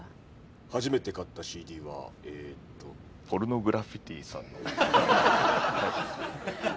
初めて買ったＣＤはえっとポルノグラフィティさんの。